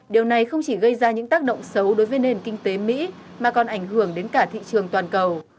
điều này không chỉ gây ra những tác động xấu đối với nền kinh tế mỹ mà còn ảnh hưởng đến cả thị trường toàn cầu